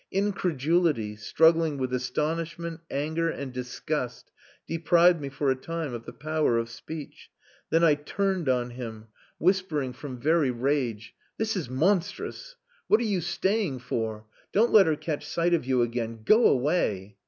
Incredulity, struggling with astonishment, anger, and disgust, deprived me for a time of the power of speech. Then I turned on him, whispering from very rage "This is monstrous. What are you staying for? Don't let her catch sight of you again. Go away!..."